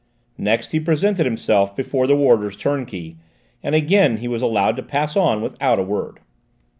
Next he presented himself before the warders' turnkey, and again he was allowed to pass on without a word.